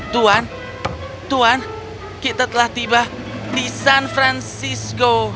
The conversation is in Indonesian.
tuan tuan kita telah tiba di san francisco